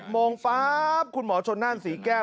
โมงฟ้าคุณหมอชนนั่นศรีแก้ว